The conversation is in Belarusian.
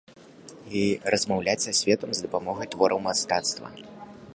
І размаўляць са светам з дапамогай твораў мастацтва.